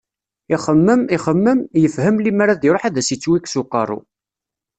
Ixemmem, ixemmem, yefhem limer ad iruḥ ad as-yettwikkes uqerru.